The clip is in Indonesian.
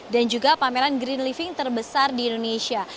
dan juga pameran green living terbesar di indonesia